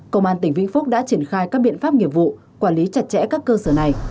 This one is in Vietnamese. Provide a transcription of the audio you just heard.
công an tỉnh vĩnh phúc đã triển khai các biện pháp nghiệp vụ quản lý chặt chẽ các cơ sở này